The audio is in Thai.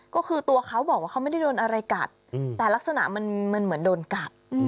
ก็คือตัวเขาบอกว่าเขาไม่ได้โดนอะไรกัดแต่ลักษณะมันเหมือนโดนกัด